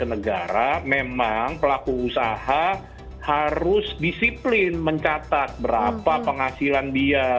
nah untuk kemudian di dalam spt ya